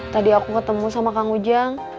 tadi aku ketemu sama kang ujang